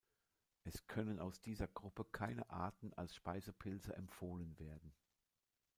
Es können aus dieser Gruppe keine Arten als Speisepilze empfohlen werden.